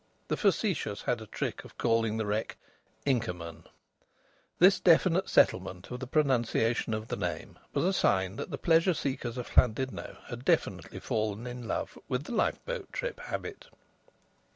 The facetious had a trick of calling the wreck Inkerman. This definite settlement of the pronunciation of the name was a sign that the pleasure seekers of Llandudno had definitely fallen in love with the lifeboat trip habit.